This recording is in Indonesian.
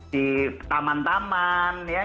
di taman taman ya